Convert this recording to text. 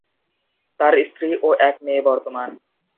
তার স্ত্রী ও এক মেয়ে বর্তমান।